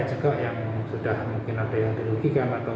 juga yang sudah mungkin ada yang dirugikan atau